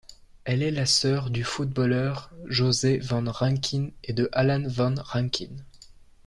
Elle est la sœur du footballeur José Van Rankin et de Allan Van Rankin.